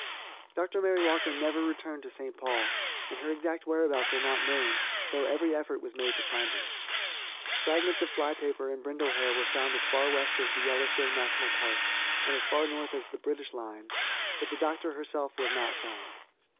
Dr. Mary Walker never returned to St. Paul, and her exact whereabouts are not known, though every effort was made to find her. Fragments of fly paper and brindle hair were found as far west as the Yellowstone National Park, and as far north as the British line, but the Doctor herself was not found.